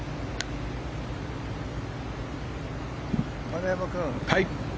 丸山君